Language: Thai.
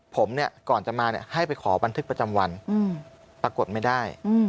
ผมเนี่ยก่อนจะมาให้ไปขอบันทึกประจำวันปรากฏไม่ได้